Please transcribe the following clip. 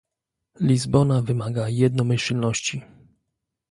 Lizbona wymaga jednomyślności